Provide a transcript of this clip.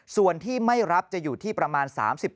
ส่วนที่ไม่รับจะอยู่ที่ประมาณ๓๐